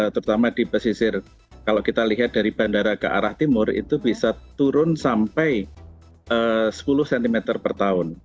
terutama di pesisir kalau kita lihat dari bandara ke arah timur itu bisa turun sampai sepuluh cm per tahun